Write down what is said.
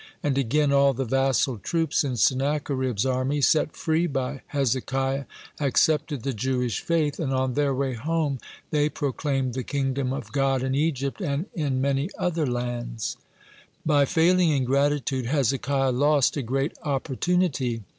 And again, all the vassal troops in Sennacherib's army, set free by Hezekiah, accepted the Jewish faith, and on their way home they proclaimed the kingdom of God in Egypt and in many other lands. (68) By failing in gratitude Hezekiah lost a great opportunity.